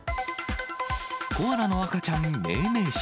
コアラの赤ちゃん命名式。